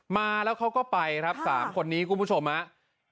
มาแล้วเขาก็ไปครับ๓คนนี้คุณผู้ชมครับ